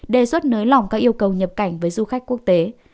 đề xuất nới lỏng các yêu cầu nhập cảnh với du khách quốc tế